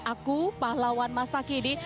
aku pahlawan masa kidi